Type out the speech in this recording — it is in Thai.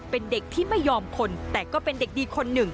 เป็นเด็กที่ไม่ยอมคนแต่ก็เป็นเด็กดีคนหนึ่ง